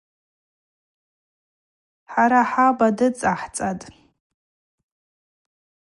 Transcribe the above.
Хӏара хӏаба дыцӏахӏцӏатӏ.